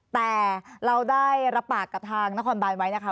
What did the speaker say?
แต่เราได้รับปากกับทางนครบานไว้นะคะ